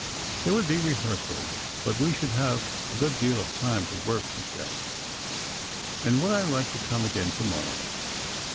There would be rehearsals, but we should have a good deal of time to work, she said, and would I like to come again tomorrow?